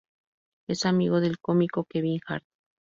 Es amigo del cómico Kevin Hart.